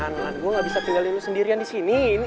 lan gue gak bisa tinggalin lo sendirian disini